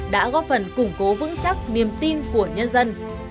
đã góp phần củng cố vững chắc niềm tin của nhân dân